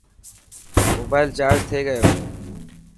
موبال چارج ٿي گيو.